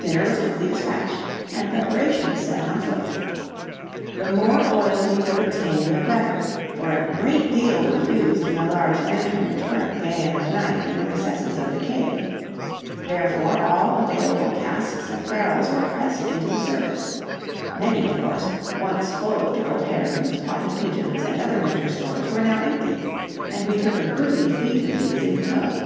Dinner was quickly dispatched, and preparations set on foot. The more oil we could obtain the better, for a great deal was used in the large lantern which burnt day and night in the recesses of the cave; therefore all available casks and barrels were pressed into the service; many, of course, once full of pickled herrings, potted pigeons, and other winter stores, were now empty, and we took a goodly fleet of these in tow.